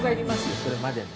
それまでの。